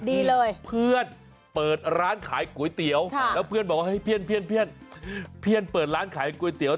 ดีเลยเพื่อนเปิดร้านขายก๋วยเตี๋ยวแล้วเพื่อนบอกว่าให้เพื่อนเปิดร้านขายก๋วยเตี๋ย